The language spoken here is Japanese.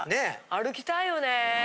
歩きたいよね。